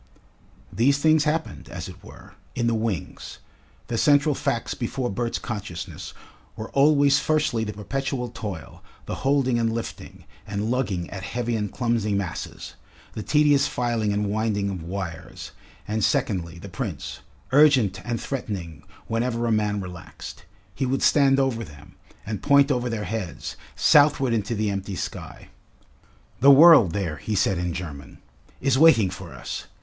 These things happened, as it were, in the wings; the central facts before Bert's consciousness were always firstly the perpetual toil, the holding and lifting, and lugging at heavy and clumsy masses, the tedious filing and winding of wires, and secondly, the Prince, urgent and threatening whenever a man relaxed. He would stand over them, and point over their heads, southward into the empty sky. "The world there," he said in German, "is waiting for us!